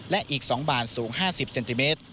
และอีก๒บานสูง๕๐เซนติเมตร